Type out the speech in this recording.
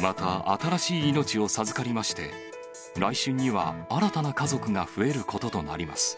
また、新しい命を授かりまして、来春には新たな家族が増えることとなります。